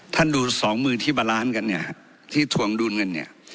ท่านดูสองมือที่บาร้านกันเนี่ยที่ถวงดูนกันเนี่ย